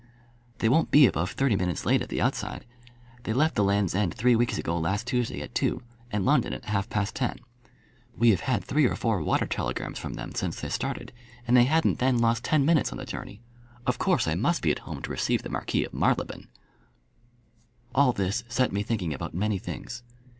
"They won't be above thirty minutes late at the outside. They left the Land's End three weeks ago last Tuesday at two, and London at half past ten. We have had three or four water telegrams from them since they started, and they hadn't then lost ten minutes on the journey. Of course I must be at home to receive the Marquis of Marylebone." All this set me thinking about many things.